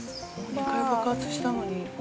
２回爆発したのに。